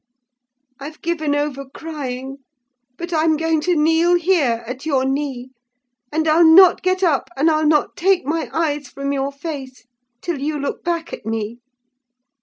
I've given over crying: but I'm going to kneel here, at your knee; and I'll not get up, and I'll not take my eyes from your face till you look back at me!